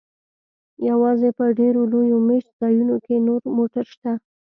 یوازې په ډیرو لویو میشت ځایونو کې نور موټر شته